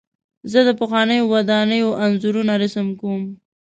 زه د پخوانیو ودانیو انځورونه رسم کوم.